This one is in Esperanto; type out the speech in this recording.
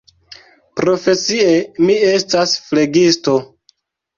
Profesie mi estas flegisto.